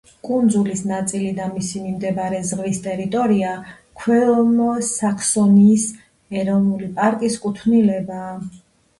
კუნძულის ნაწილი და მისი მიმდებარე ზღვის ტერიტორია ქვემო საქსონიის ეროვნული პარკის კუთვნილებაა.